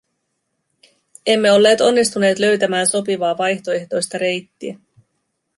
Emme olleet onnistuneet löytämään sopivaa vaihtoehtoista reittiä.